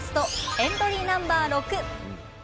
エントリーナンバー６。